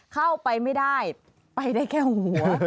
เข้าไปไม่ได้ไปได้แค่หัว